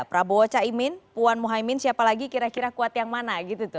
prabowo caimin puan muhaimin siapa lagi kira kira kuat yang mana